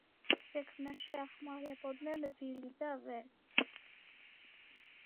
შექმნაში ეხმარებოდნენ ვილი და ვე.